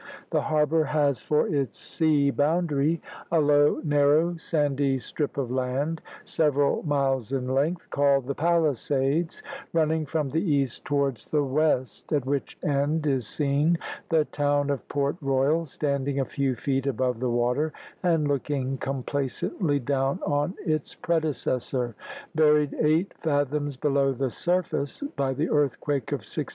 The harbour has for its sea boundary a low, narrow, sandy strip of land, several miles in length, called the Palisades, running from the east towards the west; at which end is seen the town of Port Royal standing a few feet above the water, and looking complacently down on its predecessor, buried eight fathoms below the surface by the earthquake of 1692.